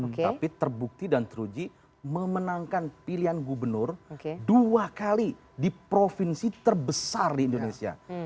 tapi terbukti dan teruji memenangkan pilihan gubernur dua kali di provinsi terbesar di indonesia